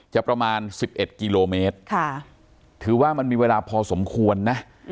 ประมาณ๑๑กิโลเมตรถือว่ามันมีเวลาพอสมควรนะ